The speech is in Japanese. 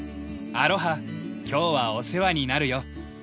今日はお世話になるよ。